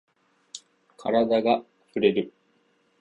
カラダがふれる。